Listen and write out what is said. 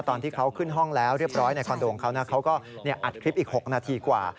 ตอนที่เขาขึ้นห้องแล้วเรียบร้อยในคอนโดของเขานะเขาก็อัดคลิปอีก๖นาทีกว่า